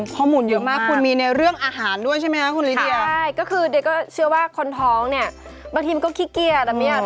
โอ้โหข้อมูลเยอะมากคุณมีในเรื่องอาหารด้วยใช่ไหมนะคุณลิเดีย